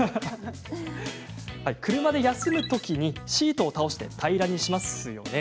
車で休むとき、シートを倒して平らにしますよね。